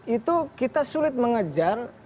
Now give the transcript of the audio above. itu kita sulit mengejar